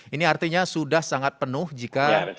ini artinya sudah sangat penuh jika